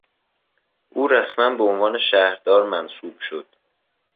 او رسما به عنوان شهردار منصوب شد.